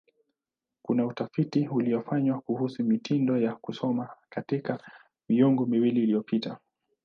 Kuna utafiti uliofanywa kuhusu mitindo ya kusoma katika miongo miwili iliyopita.